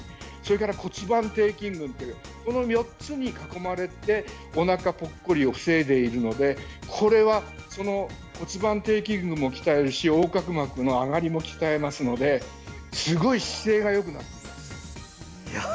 それから骨盤底筋っていう４つに囲まれておなかぽっこりを防いでいるのでこれは、骨盤底筋郡も鍛えるし横隔膜の上がりも鍛えますのですごく姿勢がよくなります。